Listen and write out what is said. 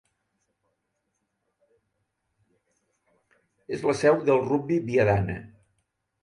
És la seu del Rugby Viadana.